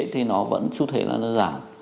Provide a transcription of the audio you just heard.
thì nó vẫn xu thế là đơn giản